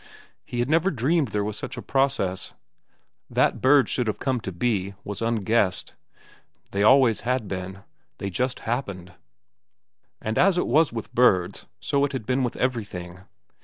He had never dreamed there was such a process. That birds should have come to be, was unguessed. They always had been. They just happened. And as it was with birds, so had it been with everything.